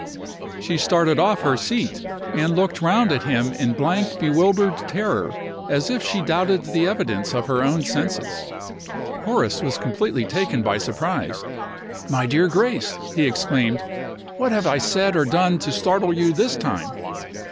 She started off her seat, and looked round at him in blank, bewildered terror, as if she doubted the evidence of her own senses. Horace was completely taken by surprise. "My dear Grace!" he exclaimed; "what have I said or done to startle you this time?"